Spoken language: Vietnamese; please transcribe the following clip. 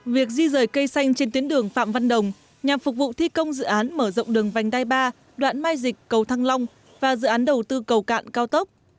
việc di rời cây xanh trên tuyến đường phạm văn đồng nhằm phục vụ thi công dự án mở rộng đường vành đai ba đoạn mai dịch cầu thăng long và dự án đầu tư cầu cạn cao tốc